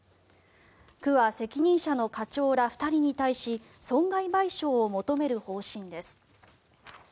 区は、責任者の課長ら２人に対し損害賠償を求める方針です。